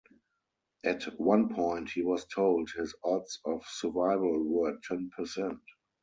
At one point he was told his odds of survival were ten percent.